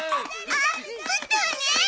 あっぶったわね！